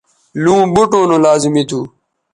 لوں بوٹوں نو لازمی تھو